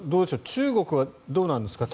中国はどうなんですか。